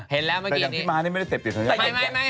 เห็นแล้วเมื่อกี้แต่อย่างที่ไม่ได้เต็บเต็มตัวเนี้ย